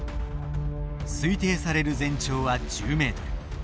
推定される全長は１０メートル。